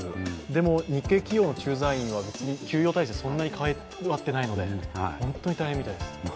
でも、日系企業の駐在員は別に給与体制変わってないので本当に大変みたいです。